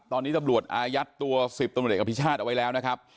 ตอนนี้ตำรวจอายัดตัว๑๐ตมคเอาไว้แล้วนะครับ